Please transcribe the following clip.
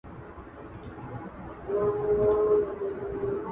لکه هغه ته چې په یوه مشاعره کې خلګ ناست وي